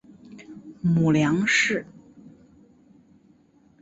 母梁氏。